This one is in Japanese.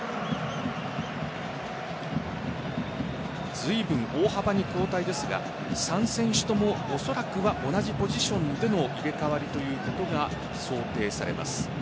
ずいぶん大幅な交代ですが３選手ともおそらくは同じポジションでの入れ替わりということが想定されます。